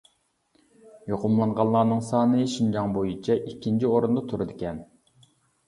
يۇقۇملانغانلارنىڭ سانى شىنجاڭ بويىچە ئىككىنچى ئورۇندا تۇرىدىكەن.